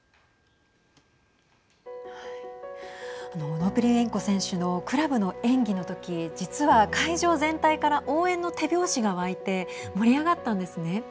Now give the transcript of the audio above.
オノプリエンコ選手のクラブの演技の時、実は会場全体から応援の手拍子が沸いて盛り上がったんですね。